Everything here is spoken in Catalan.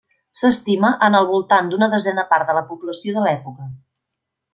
S'estima en al voltant d'una desena part de la població de l'època.